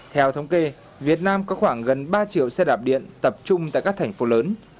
theo thống kê việt nam có khoảng gần ba triệu xe đạp điện tập trung tại các thành phố lớn